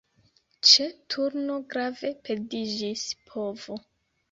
Ĉe turno grave perdiĝis povo.